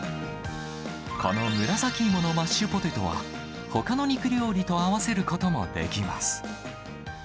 この紫芋のマッシュポテトは、ほかの肉料理と合わせることもできます。